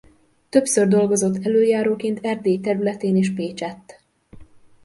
Többször dolgozott elöljáróként Erdély területén és Pécsett.